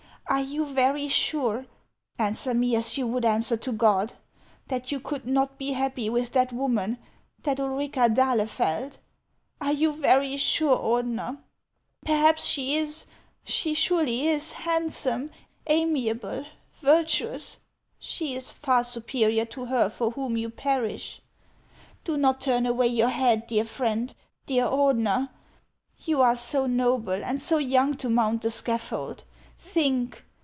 Are you very sure — answer me as you would answer to God — that you could not be happy with that woman, that Ulrica d'Ahlefeld ? Are you very sure, Ordeuer ? Perhaps she is, she surely is, handsome, amiable, virtuous. She is far superior to her tor whom you perish. Do not turn away your head, dear friend, dear Ordener. You are so noble and so young to mount the scaffold. Think